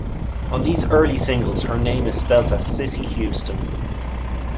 On these early singles her name is spelt as Sissie Houston.